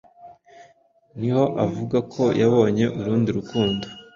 niho avuga ko yabonye urundi rukundo,